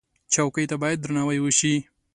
چوکۍ ته باید درناوی وشي.